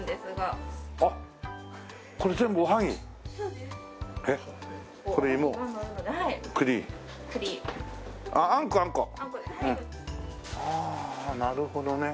ああなるほどね。